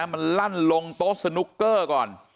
มันลั่นลงโต๊ะสนุกเกอร์ก่อน